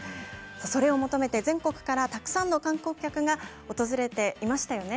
それを求めて全国からたくさんの観光客が訪れていましたよね